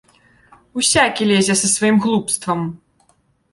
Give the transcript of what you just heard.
Усякі лезе са сваім глупствам!